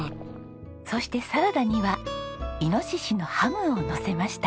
そしてサラダにはイノシシのハムをのせました。